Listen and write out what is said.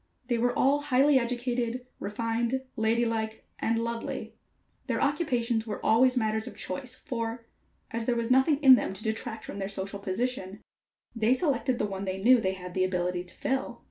They were all highly educated, refined, lady like and lovely. Their occupations were always matters of choice, for, as there was nothing in them to detract from their social position, they selected the one they knew they had the ability to fill.